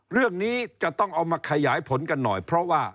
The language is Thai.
เรื่องนี้จะต้องเอามาขยายผลกันหน่อยเพราะว่า